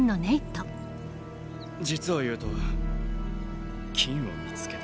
実を言うと金を見つけた。